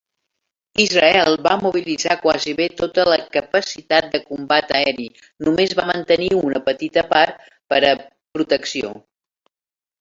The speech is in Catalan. Israel va mobilitzar quasi bé tota la capacitat de combat aeri, només va mantenir una petita part per a protecció.